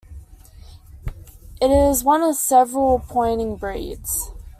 It is one of several pointing breeds.